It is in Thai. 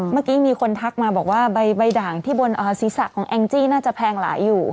เมื่อกี้มีคนทักมาบอกว่าใบด่างที่บนศีรษะของแองจี้น่าจะแพงหลายอยู่